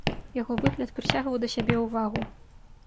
Яго выгляд прыцягваў да сябе ўвагу.